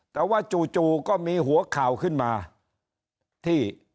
แต่ว่าจู่ก็มีหัวข่าวขึ้นมาที่